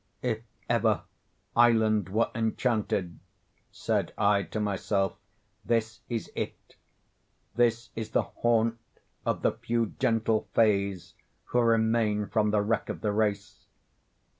"If ever island were enchanted," said I to myself, "this is it. This is the haunt of the few gentle Fays who remain from the wreck of the race.